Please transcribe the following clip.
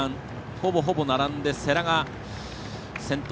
ほぼほぼ並んで世羅が先頭。